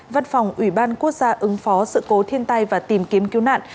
văn phòng ủy ban quốc gia ứng phó sự cố thiên tai và tìm kiếm cứu nạn